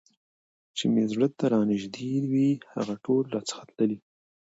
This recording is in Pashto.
چي مي زړه ته رانیژدې وي هغه ټول راڅخه تللي